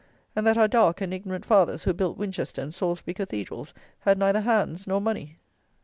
And that our dark and ignorant fathers, who built Winchester and Salisbury Cathedrals, had neither hands nor money!